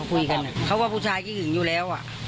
คุยกันเขาว่าผู้ชายขี้หึงอยู่แล้ว